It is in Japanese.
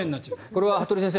これは服部先生